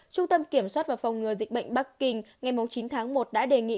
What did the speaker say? trung tâm kiểm soát và phòng ngừa dịch bệnh bắc kinh ngày chín tháng một đã đề nghị